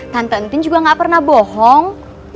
tenten tin juga gak pernah bohong